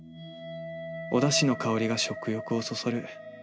おだしの香りが食欲をそそる。